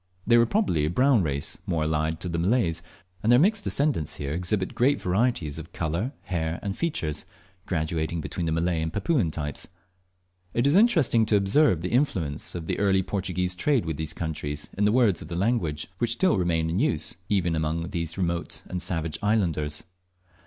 They were probably a brown race, more allied to the Malays, and their mixed descendants here exhibit great variations of colour, hair, and features, graduating between the Malay and Papuan types. It is interesting to observe the influence of the early Portuguese trade with these countries in the words of their language, which still remain in use even among these remote and savage islanders.